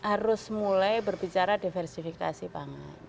kita harus mulai berbicara diversifikasi banget